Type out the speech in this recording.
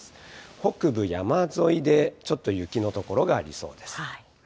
北部山沿いでちょっと雪の所がありそうです。